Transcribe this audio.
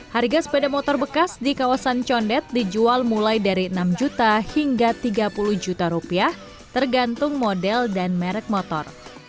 harga sepeda motor bekas di kawasan condet dijual mulai dari enam juta hingga tiga puluh juta rupiah tergantung model dan merek motor